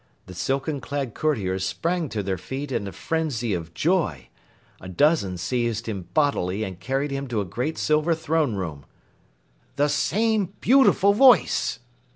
The silken clad courtiers sprang to their feet in a frenzy of joy. A dozen seized him bodily and carried him to a great silver throne room. "The same beautiful voice!"